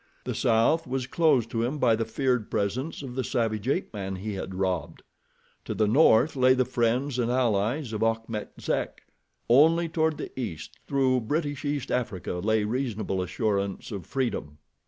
The south was closed to him by the feared presence of the savage ape man he had robbed. To the north lay the friends and allies of Achmet Zek. Only toward the east, through British East Africa, lay reasonable assurance of freedom.